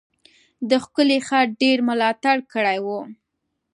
د ښکلی خط ډیر ملاتړ کړی و.